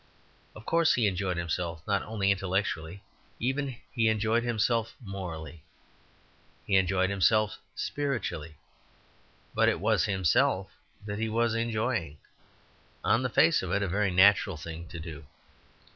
Of course, he enjoyed himself, not only intellectually even, he enjoyed himself morally, he enjoyed himself spiritually. But it was himself that he was enjoying; on the face of it, a very natural thing to do.